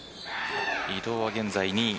伊藤は現在２位。